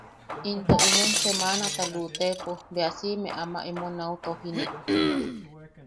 Into inen semanata luʼutepo bea siʼime ama emo nau tojine.